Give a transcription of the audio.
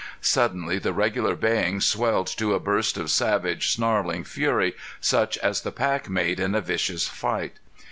Suddenly the regular baying swelled to a burst of savage, snarling fury, such as the pack made in a vicious fight.